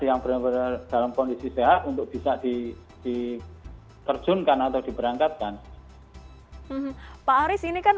yang benar benar dalam kondisi sehat untuk bisa dikerjunkan atau diberangkatkan